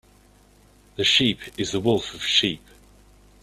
The sheep is the wolf of sheep.